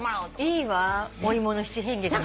いいわお芋の七変化が見れて。